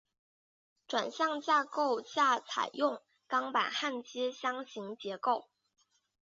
转向架构架采用钢板焊接箱型结构。